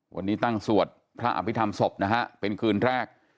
วันนี้ตั้งสวดพระอภิษฐรรมศพนะฮะเป็นคืนแรก